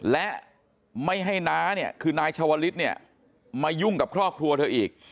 และไม่ให้น้าเนี่ยคือนายชาวลิศเนี่ยมายุ่งกับครอบครัวเธออีก